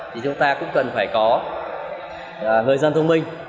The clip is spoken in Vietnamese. thì chúng ta cũng cần phải có người dân thông minh